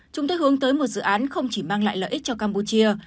chúng tôi hướng tới một dự án không chỉ mang lại lợi ích cho campuchia